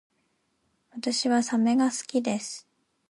私はサメが好きです